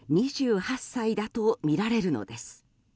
２８歳だとみられるのです。